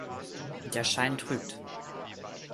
Der Schein trügt.